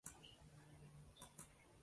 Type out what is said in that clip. Nafratimning shiddatli, keskir